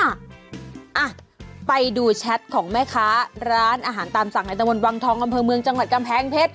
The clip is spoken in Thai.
อ่ะไปดูแชทของแม่ค้าร้านอาหารตามสั่งในตะวนวังทองอำเภอเมืองจังหวัดกำแพงเพชร